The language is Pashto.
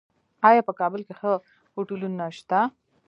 آیا په کابل کې ښه هوټلونه شته؟